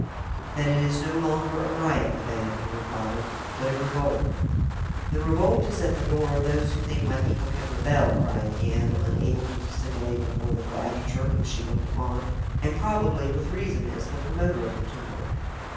"That it is no longer a riot, madame," he replied, "but a revolt." "The revolt is at the door of those who think my people can rebel," cried Anne, unable to dissimulate before the coadjutor, whom she looked upon, and probably with reason, as the promoter of the tumult.